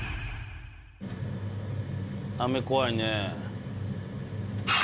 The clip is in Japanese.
雨、怖いね。